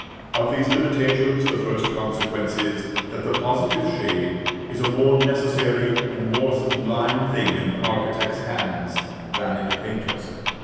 Of these limitations the first consequence is, that positive shade is a more necessary and more sublime thing in an architect's hands than in a painter's.